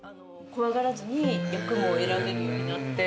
怖がらずに役も選べるようになって。